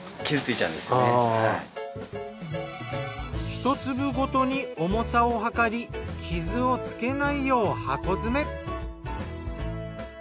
１粒ごとに重さを量り傷をつけないよう箱詰め。